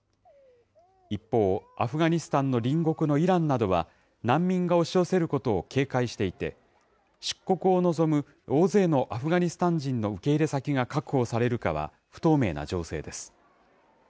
一方、アフガニスタンの隣国のイランなどは、難民が押し寄せることを警戒していて、出国を望む大勢のアフガニスタン人の受け入れ先が確保されるかは、不透明な情勢です。